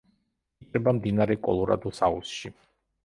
იჭრება მდინარე კოლორადოს აუზში.